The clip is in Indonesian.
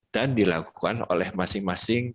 dan dilakukan oleh masing masing pns